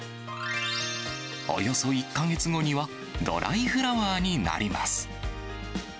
およそ１か月後にはドライフラワーになります。